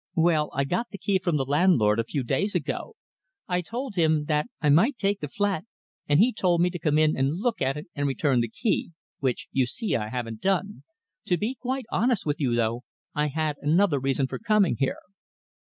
"Well, I got the key from the landlord a few days ago. I told him that I might take the flat, and he told me to come in and look at it and return the key which you see I haven't done. To be quite honest with you, though, I had another reason for coming here."